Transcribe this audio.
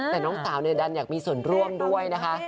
แต่น้องสาวดันอยากมีส่วนร่วมด้วยนะคะ